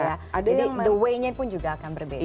jadi the way nya pun juga akan berbeda